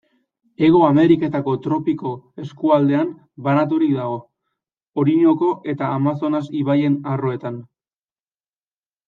Hego Ameriketako tropiko-eskualdean banaturik dago, Orinoko eta Amazonas ibaien arroetan.